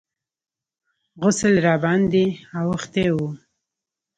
غسل راباندې اوښتى و.